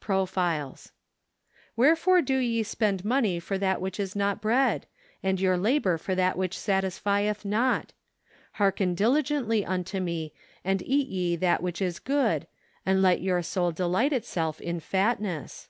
Profiles. " Wherefore do ye spc7id money for that which is not bread? and your labor for that which satisjieth not? hearken diligently unto me, an.l eat ye that which is good , and let your soul delight itself in fatness